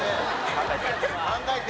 考えて！